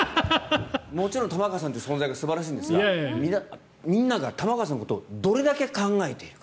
もちろん玉川さんという存在が素晴らしいんですがみんなが玉川さんのことをどれだけ考えているか。